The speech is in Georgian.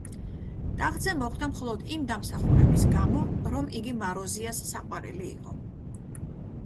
ტახტზე მოხვდა მხოლოდ იმ დამსახურების გამო, რომ იგი მაროზიას საყვარელი იყო.